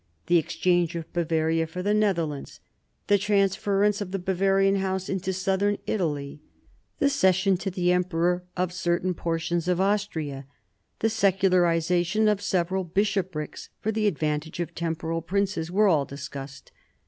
The .exchange of Bavaria for the Netherlands, the transference of the Bavarian House into Southern Italy, the cession to the emperor of certain portions of Austria, the secularisation of several bishoprics for the advantage of temporal princes, were all discussed.